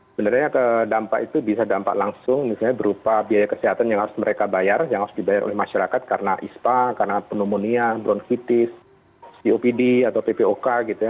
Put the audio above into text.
sebenarnya dampak itu bisa dampak langsung misalnya berupa biaya kesehatan yang harus mereka bayar yang harus dibayar oleh masyarakat karena ispa karena pneumonia bronfitis copd atau ppok gitu ya